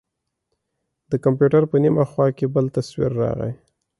د کمپيوټر په نيمه خوا کښې بل تصوير راغى.